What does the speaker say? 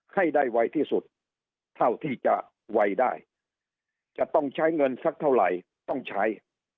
ให้ได้ไวที่สุดเท่าที่จะไวได้จะต้องใช้เงินสักเท่าไหร่ต้องใช้